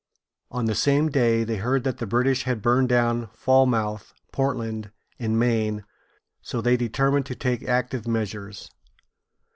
On the same day, they heard that the British had burned down Fal´moŭth (Portland), in Maine, so they determined to take active measures.